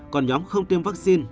còn nhóm không tiêm vaccine